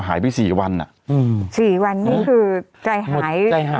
หายไปสี่วันอ่ะอืมสี่วันนี่คือใจหายใจหายหมดแล้วล่ะ